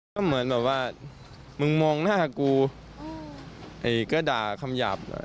เหมือนแบบว่ามึงมองหน้ากูก็ด่าคำหยาบนะครับ